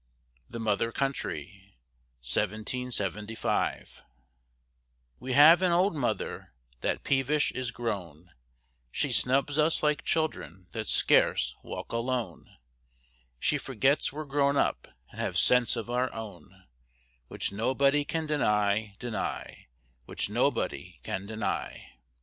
THE MOTHER COUNTRY We have an old mother that peevish is grown; She snubs us like children that scarce walk alone; She forgets we're grown up and have sense of our own; Which nobody can deny, deny, Which nobody can deny.